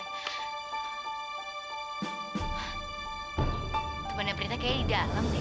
suat karma prita semua pada mati